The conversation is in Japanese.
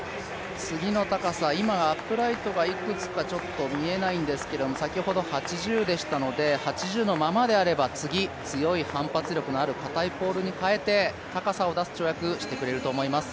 次の高さ、今、アップライトがいくつか見えないんですけども先ほど８０でしたので８０のままであれば、次、強い反発力のあるかたいポールにかえて高さを出す跳躍をしてくれると思います。